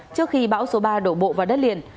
trước khi bão số ba đổ bộ vào đất liền